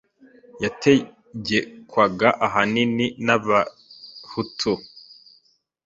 yategekwaga ahanini n abahutu